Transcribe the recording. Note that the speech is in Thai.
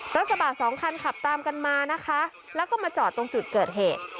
กระบาดสองคันขับตามกันมานะคะแล้วก็มาจอดตรงจุดเกิดเหตุ